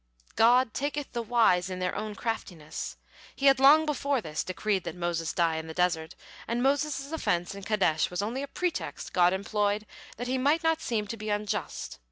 God "taketh the wise in their own craftiness." He had long before this decreed that Moses die in the desert, and Moses' offense in Kadesh was only a pretext God employed that He might not seem to be unjust.